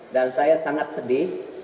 dan saya sangat sedih